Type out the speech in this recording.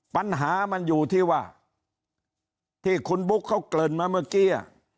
ปัญหามันอยู่ที่ว่าที่คุณบุ๊คเขาเกริ่นมาเมื่อกี้